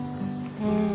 うん